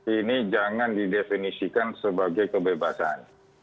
ini jangan didefinisikan sebagai kebebasan